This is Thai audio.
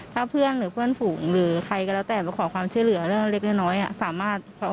ใช่ค่ะเป็นเฉพาะหลักของครอบครัวค่ะ